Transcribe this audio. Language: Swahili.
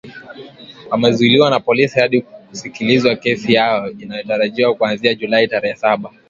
Wamezuiliwa na polisi hadi kusikilizwa kesi yao inayotarajiwa kuanza Julai tarehe saba